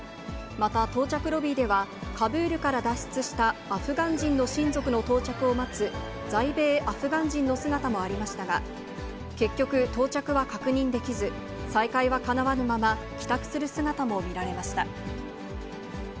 また、到着ロビーでは、カブールから脱出したアフガン人の親族の到着を待つ在米アフガン人の姿もありましたが、結局、到着は確認できず、再会はかなわぬまま、帰宅する姿も見られました。